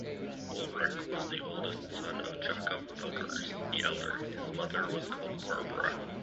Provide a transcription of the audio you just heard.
Ulrich was the oldest son of Jakob Fuggers the elder, his mother was called Barbara.